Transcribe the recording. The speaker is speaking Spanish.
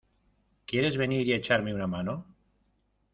¿ Quieres venir y echarme una mano?